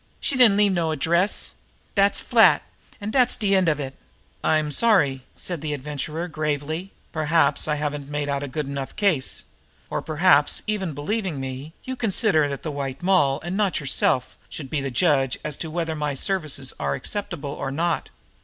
She didn't leave no address. Dat's flat, an' dat's de end of it." "I'm sorry," said the Adventurer gravely. "Perhaps I haven't made out a good enough case. Or perhaps, even believing me, you consider that the White Moll, and not yourself, should be the judge as to whether my services are acceptable or not?"